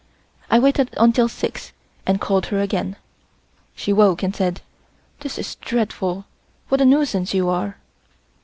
I waited until six and called her again. She woke and said: "This is dreadful. What a nuisance you are."